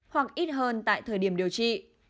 hoặc ít hơn tại thời điểm điều trị